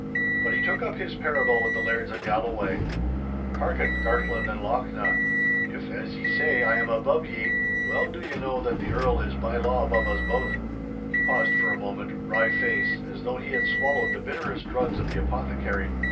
But he took up his parable with the Lairds of Galloway. 'Hearken, Garthland and Lochnaw—if, as ye say, I am above ye, well do ye know that the Earl is by law above us both.' He paused for a moment, wry face, as though he had swallowed the bitterest drugs of the apothecary.